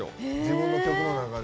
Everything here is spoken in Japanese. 自分の曲の中で？